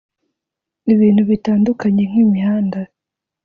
ibintu bitandukanye nk' imihanda